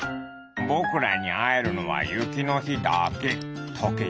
「ぼくらにあえるのはゆきのひだけ。